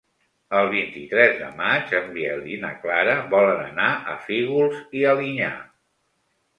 El vint-i-tres de maig en Biel i na Clara volen anar a Fígols i Alinyà.